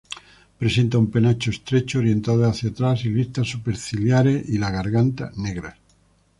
Presenta un penacho estrecho orientado hacia atrás, y listas superciliares y la garganta negras.